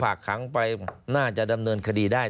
ฝากขังไปน่าจะดำเนินคดีได้